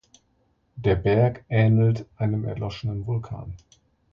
Der Berg ähnelt einem erloschenen Vulkan.